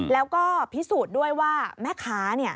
แล้วก็พิสูจน์ด้วยว่า